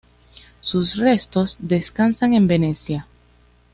Sus restos descansan en Venecia.